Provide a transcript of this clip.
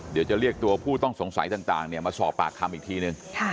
เดี๋ยวจะเรียกตัวผู้ต้องสงสัยต่างมาสอบปากคำอีกทีนึง